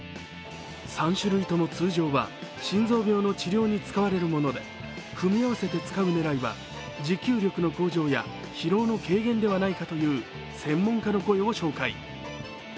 ３種類とも通常は心臓病の治療に使われるもので組み合わせて使う狙いは持久力の向上や疲労の軽減ではないかという専門家の声を紹介。